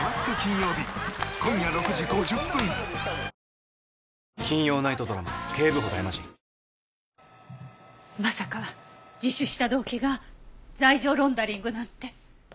ニトリまさか自首した動機が罪状ロンダリングなんて。